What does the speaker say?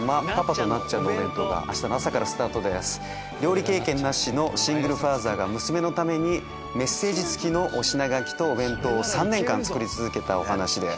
料理経験なしのシングルファーザーが娘のためにメッセージ付きのお品書きとお弁当を３年間作り続けたお話です。